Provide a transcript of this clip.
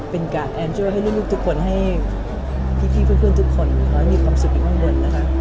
เป็นกะแอ็นเจิลให้ลูกทุกคนให้พี่เพื่อนทุกคนมีความสุขกับทุกคนนะคะ